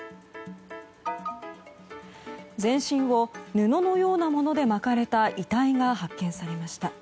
全身を布のようなもので巻かれた遺体が発見されました。